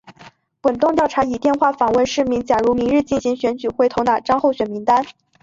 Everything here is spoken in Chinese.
滚动调查以电话访问市民假如明日进行选举会投哪张候选名单。